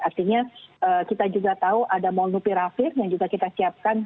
artinya kita juga tahu ada molnupiravir yang juga kita siapkan